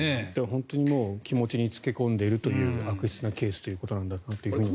本当に気持ちに付け込んでいるという悪質なケースということだと思います。